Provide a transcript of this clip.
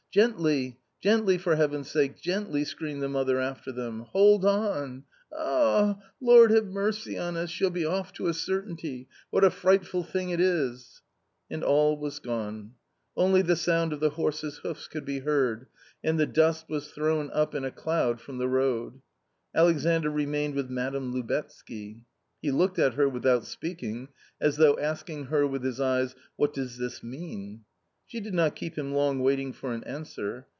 " Gently, gently, for Heaven's sake, gently !" screamed the mother after them —" hold on ! Ah ! Lord have mercy on us ! she'll be off to a certainty ; what a frightful thing it is !" And all was gone ; only the sound of the horses' hoofs could be heard, and the dust^was thrown up in a cloud from the road. Alexandr remained with Madame Lubetzky. He looked at her without speaking, as though asking her with his eyes, " What does this mean ?" She did not keep him long waiting for an answer.